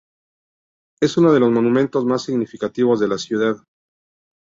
Es uno de los monumentos más significativos de la ciudad.